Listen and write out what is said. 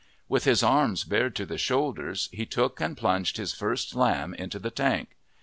With his arms bared to the shoulders he took and plunged his first lamb into the tank.